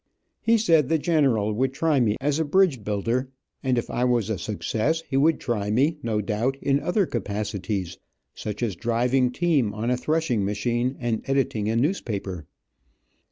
He said the general would try me as a bridge builder, and if I was a success he would try me, no doubt, in other capacities, such as driving team on a threshing machine, and editing a newspaper.